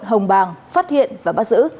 hồng bàng phát hiện và bắt giữ